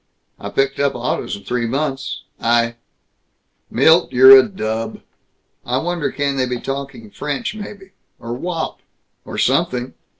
I picked up autos in three months. I Milt, you're a dub. I wonder can they be talking French, maybe, or Wop, or something?